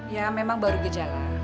ya memang baru gejala